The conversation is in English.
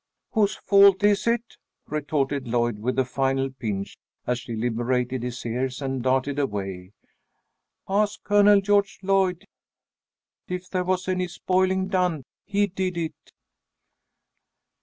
"Whose fault is it?" retorted Lloyd, with a final pinch as she liberated his ears and darted away. "Ask Colonel George Lloyd. If there was any spoiling done, he did it."